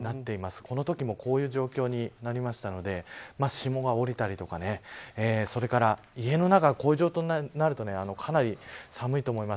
このときもこういう状況になりましたので霜が降りたりとかそれから家の中がこういう状況になるとかなり寒いと思います。